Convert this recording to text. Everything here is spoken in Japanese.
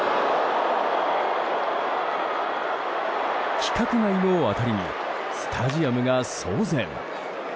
規格外の当たりにスタジアムが騒然。